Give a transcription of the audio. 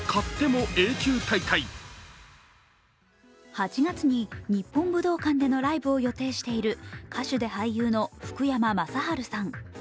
８月に日本武道館でのライブを予定している歌手で俳優の福山雅治さん。